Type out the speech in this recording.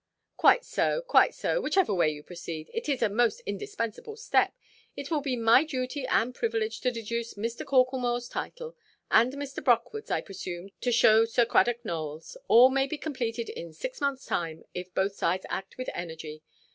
'" "Quite so, quite so, whichever way you proceed. It is a most indispensable step. It will be my duty and privilege to deduce Mr. Corklemoreʼs title; and Mr. Brockwoodʼs, I presume, to show Sir Cradock Nowellʼs. All may be completed in six months' time, if both sides act with energy.